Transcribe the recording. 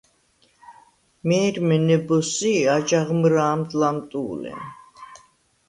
მე̄რმე ნებოზსი̄ აჯაღ მჷრა̄მდ ლამტუ̄ლე.